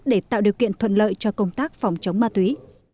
để tạo điều kiện thuận lợi cho công tác phòng chống ma túy